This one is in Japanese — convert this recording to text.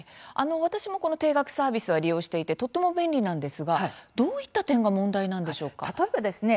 私もこの定額サービスは利用していてとても便利なんですがどういった点が例えばですね